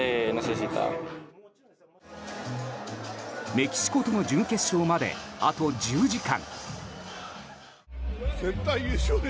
メキシコとの準決勝まであと１０時間。